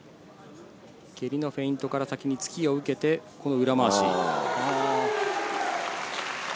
蹴りのフェイントから先に突きを受けて、この裏回し。